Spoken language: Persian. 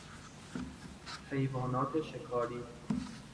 حیوانات شکاری